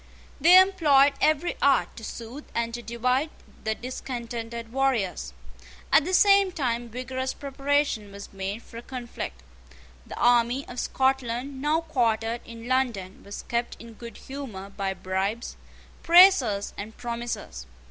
They employed every art to soothe and to divide the discontented warriors. At the same time vigorous preparation was made for a conflict. The army of Scotland, now quartered in London, was kept in good humour by bribes, praises, and promises.